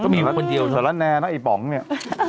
มีมาคนเดียวเถอะละแนนะไอ้ป๋องเนี่ย